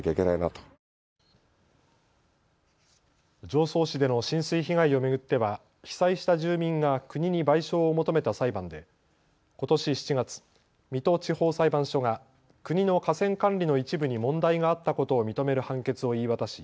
常総市での浸水被害を巡っては被災した住民が国に賠償を求めた裁判でことし７月、水戸地方裁判所が国の河川管理の一部に問題があったことを認める判決を言い渡し